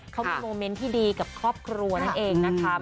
เขามีโมเมนต์ที่ดีกับครอบครัวนั่นเองนะคะ